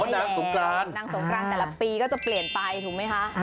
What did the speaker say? นางสงกรานแต่ละปีก็จะเปลี่ยนไปถูกไหมคะ